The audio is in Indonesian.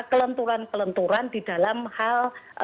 kelenturan kelenturan di dalam hal